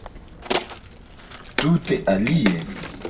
Tute alie.